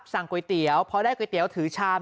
สั่งก๋วยเตี๋ยวพอได้ก๋วยเตี๋ยวถือชาม